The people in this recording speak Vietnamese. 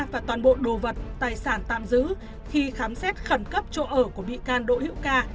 và toàn bộ đồ vật tài sản tạm giữ khi khám xét khẩn cấp chỗ ở của bị can đỗ hữu ca